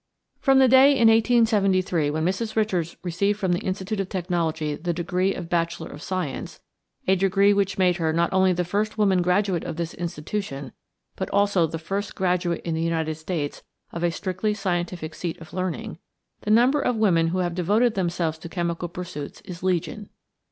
" From the day in 1873 when Mrs. Richards received from the Institute of Technology the degree of Bachelor of Science a degree which made her not only the first woman graduate of this institution, but also the first graduate in the United States of a strictly scientific seat of learning the number of women who have devoted themselves to chemical pursuits is legion.